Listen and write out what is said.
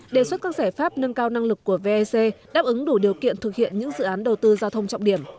đề xuất các giải pháp nâng cao năng lực của vec đáp ứng đủ điều kiện thực hiện những dự án đầu tư giao thông trọng điểm